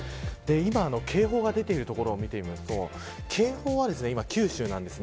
今警報が出ている所を見ますと警報は今、九州です。